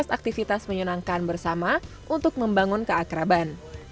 menemukan aktivitas aktivitas menyenangkan bersama untuk membangun keakraban